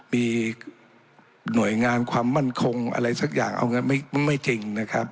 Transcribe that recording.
มีหน่วยงานความมั่นคงอะไรสักอย่างเอาไม่จริงนะครับ